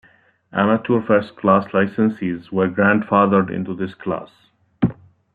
Amateur First Class licensees were grandfathered into this class.